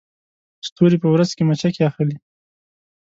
ستوري په ورځ کې مچکې اخلي